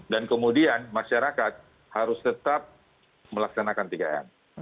dan kemudian masyarakat harus tetap melaksanakan tiga m